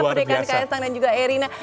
pernikahan kaisang dan juga irina